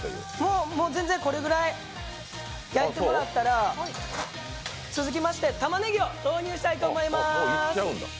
全然これぐらい焼いてもらったら続きまして、たまねぎを投入したいと思います。